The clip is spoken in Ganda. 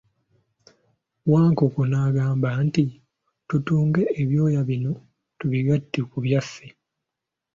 Wankoko n'agamba nti, tutunge ebyoya bino tubigatte ku byaffe.